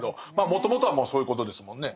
もともとはもうそういうことですもんね。